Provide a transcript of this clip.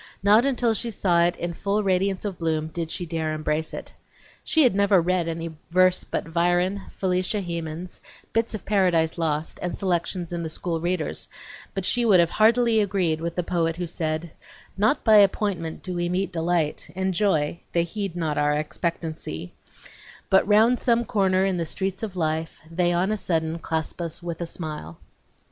Not until she saw it in full radiance of bloom did she dare embrace it. She had never read any verse but Byron, Felicia Hemans, bits of "Paradise Lost," and the selections in the school readers, but she would have agreed heartily with the poet who said: "Not by appointment do we meet delight And joy; they heed not our expectancy; But round some corner in the streets of life They on a sudden clasp us with a smile."